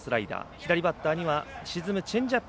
左バッターには沈むチェンジアップ。